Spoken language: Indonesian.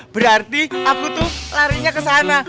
berarti aku tuh larinya ke sana